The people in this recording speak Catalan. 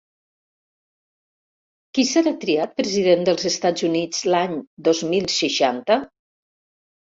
Qui serà triat president dels Estats Units l'any dos mil seixanta?